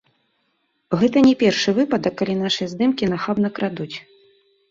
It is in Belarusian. Гэта не першы выпадак, калі нашыя здымкі нахабна крадуць.